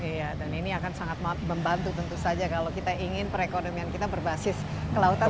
iya dan ini akan sangat membantu tentu saja kalau kita ingin perekonomian kita berbasis kelautan